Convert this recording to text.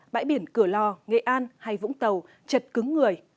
bãi biển cửa lò nghệ an hay vũng tàu chật cứng người